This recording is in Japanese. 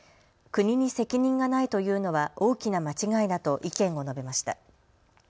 国に責任がないというのは大きな間違いだと意見を述べました。